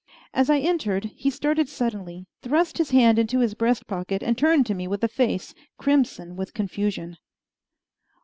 As I entered, he started suddenly, thrust his hand into his breast pocket, and turned to me with a face crimson with confusion.